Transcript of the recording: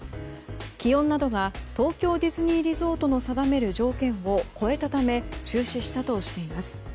気温などが東京ディズニーリゾートの定める条件を超えたため中止したとしています。